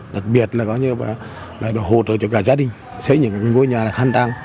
đặc biệt là hồ đổi cho cả gia đình xây những ngôi nhà khăn đăng